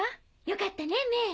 よかったねメイ。